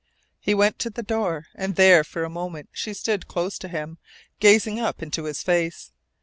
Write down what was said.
He went to the door, and there for a moment she stood close to him, gazing up into his face.